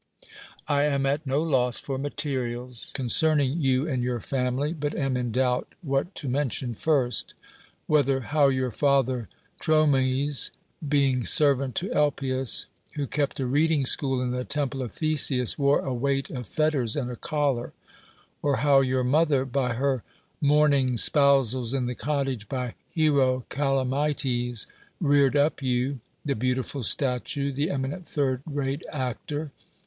I am at no loss for materials concerning you and your family, but am in doubt what to men tion first — whether how your father Tromes, be ing servant to Elpias, who kept a reading school in the temple of Theseus, wore a weight of fetters and a collar ; or how your mother, by her morn ing spousals in the cottage by Hero Calamites, reared up you, the beautiful statue, the eminent third rate actor